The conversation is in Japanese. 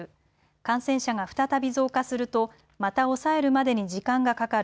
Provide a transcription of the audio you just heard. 感染者が再び増加するとまた抑えるまでに時間がかかる。